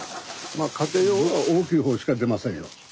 まあ家庭用大きい方しか出ませんよ。